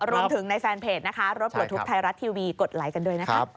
รวมถึงในแฟนเพจนะคะรถปลดทุกข์ไทยรัฐทีวีกดไลค์กันด้วยนะคะ